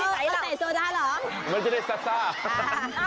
จะใส่ซูดาหรือมันจะได้ซาซาซาซา